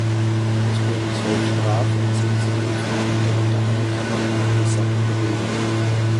Es wurden zwölf Straf- und zehn Zivilkammern, darunter eine Kammer für Handelssachen, gebildet.